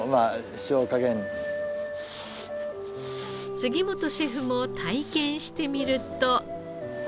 杉本シェフも体験してみると。